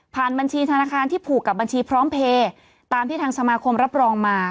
บัญชีธนาคารที่ผูกกับบัญชีพร้อมเพลย์ตามที่ทางสมาคมรับรองมา